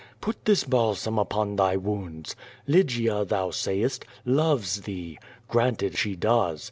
Put this l)a1s«im upon thy wounds. Lygia, thou sayest, loves thee. Granted she does.